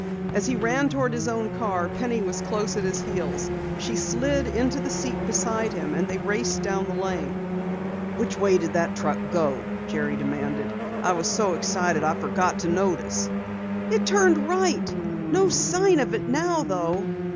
As he ran toward his own car, Penny was close at his heels. She slid into the seat beside him and they raced down the lane. "Which way did the truck go?" Jerry demanded. "I was so excited I forgot to notice." "It turned right. No sign of it now, though."